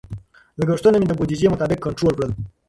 لګښتونه مې د بودیجې مطابق کنټرول کړل.